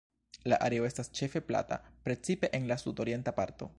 La areo estas ĉefe plata, precipe en la sudorienta parto.